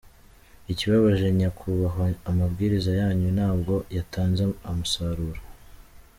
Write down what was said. Ikibabaje Nyakubahwa, amabwiriza yanyu ntabwo yatanze umusaruro.